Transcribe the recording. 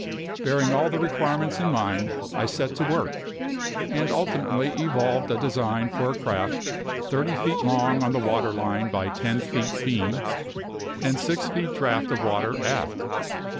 Bearing all the above requirements in mind, I set to work, and ultimately evolved a design for a craft thirty feet long on the water line by ten feet beam, and six feet draught of water aft.